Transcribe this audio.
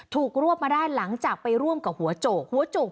ถูกรวบมาได้หลังจากไปร่วมกับหัวโจกหัวโจก